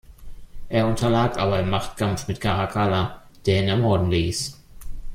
Er unterlag aber im Machtkampf mit Caracalla, der ihn ermorden ließ.